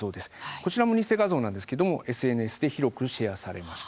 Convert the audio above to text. こちらも偽画像なんですけれどもＳＮＳで広くシェアされました。